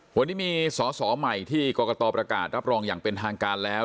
วันนี้มีสอสอใหม่ที่กรกตประกาศรับรองอย่างเป็นทางการแล้ว